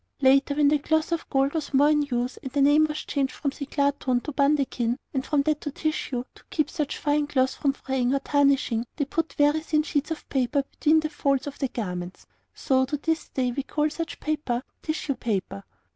Later, when the cloth of gold was more in use, and the name had changed from 'ciclatoun' to 'bundekin,' and from that to 'tissue,' to keep such fine cloth from fraying or tarnishing, they put very thin sheets of paper away between the folds of the garments; so to this day we call such paper tissue paper.